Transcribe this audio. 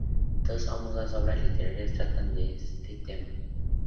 Dos famosas obras literarias tratan de este tema.